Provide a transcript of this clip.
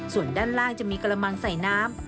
ส่วนด้านล่างจะมีกระมังใส่น้ำ